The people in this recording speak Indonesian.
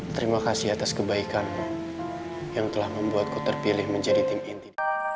terima kasih atas kebaikanmu yang telah membuatku terpilih menjadi tim inti